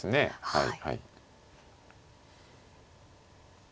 はい。